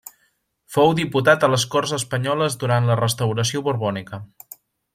Fou diputat a les Corts Espanyoles durant la restauració borbònica.